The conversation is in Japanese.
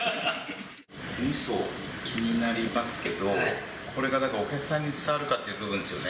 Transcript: みそ、気になりますけど、これがお客さんに伝わるかっていう部分ですよね。